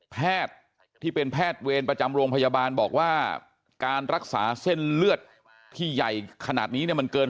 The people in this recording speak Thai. แพทย์ที่เป็นแพทย์เวรประจำโรงพยาบาลบอกว่าการรักษาเส้นเลือดที่ใหญ่ขนาดนี้เนี่ยมันเกิน